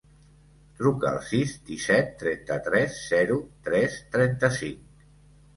Truca al sis, disset, trenta-tres, zero, tres, trenta-cinc.